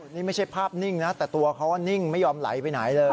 นี่ไม่ใช่ภาพนิ่งนะแต่ตัวเขานิ่งไม่ยอมไหลไปไหนเลย